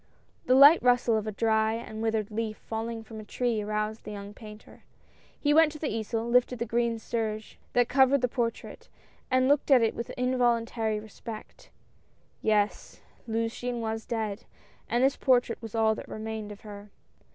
The light rustle of a dry and withered leaf falling from a tree aroused the young painter ; he went to the easel, lifted the green serge that cowered the portrait, and looked at it with involuntary respect. Yes, Luciane was dead, and this portrait was all that remained of her.